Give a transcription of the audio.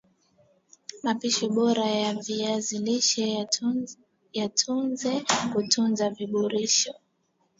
Mapishi Bora ya Viazi lishe yatunze kutunza virutubisho